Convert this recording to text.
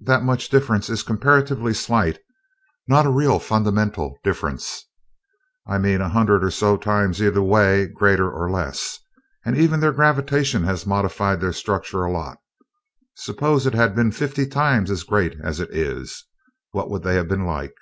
"That much difference is comparatively slight, not a real fundamental difference. I meant a hundred or so times either way greater or less. And even their gravitation has modified their structure a lot suppose it had been fifty times as great as it is? What would they have been like?